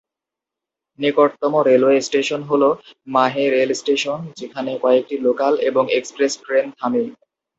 নিকটতম railway station হ'ল Mahe rail station, যেখানে কয়েকটি লোকাল এবং এক্সপ্রেস ট্রেন থামে।